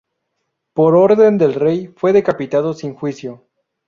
Por orden del rey, fue decapitado sin juicio.